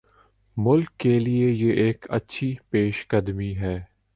ملک کیلئے یہ ایک اچھی پیش قدمی ہے۔